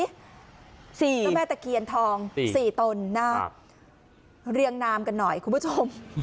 เจ้าแม่ตะเคียนทองสี่ตนนะเรียงนามกันหน่อยคุณผู้ชม